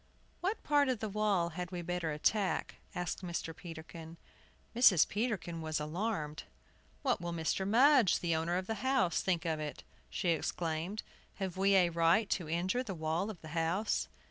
"What part of the wall had we better attack?" asked Mr. Peterkin. Mrs. Peterkin was alarmed. "What will Mr. Mudge, the owner of the house, think of it?" she exclaimed. "Have we a right to injure the wall of the house?"